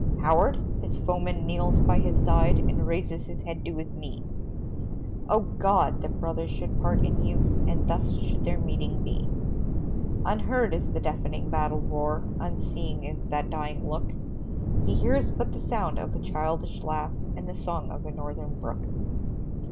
"Howard?" His foeman kneels by his side, And raises his head to his knee Oh, God! that brothers should part in youth, And thus should their meeting be. Unheard is the deafening battle roar, Unseen is that dying look; He hears but the sound of a childish laugh, And the song of a Northern brook.